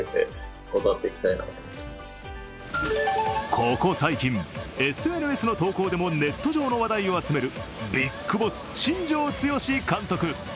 ここ最近、ＳＮＳの投稿でもネットうえの話題を集めるビッグボス、新庄剛志監督。